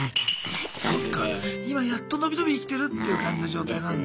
今やっと伸び伸び生きてるっていう感じの状態なんだ。